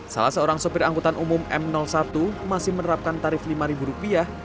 salah seorang sopir angkutan umum m satu masih menerapkan tarif lima rupiah